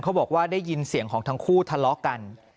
บอกว่าได้ยินเสียงของทั้งคู่ทะเลาะกัน